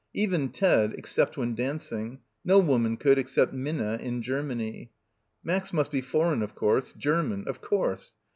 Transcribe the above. . even Ted, except when dancing; no woman could, except Minna, in Germany. Max must be foreign, of course, German — of course.